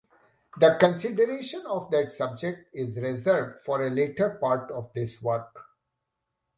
The consideration of that subject is reserved for a later part of this work.